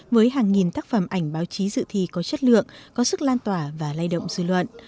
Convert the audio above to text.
với hàng nghìn tác phẩm ảnh báo chí dự thi có chất lượng có sức lan tỏa và lay động dư luận